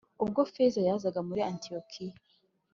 ubwo Kefa yazaga muri Antiyokiya